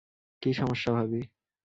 কী সমস্যা ভাবি?